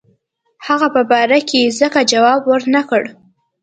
هغه په باره کې ځکه جواب ورنه کړ.